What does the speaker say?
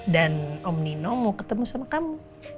dan om nino mau ketemu sama kamu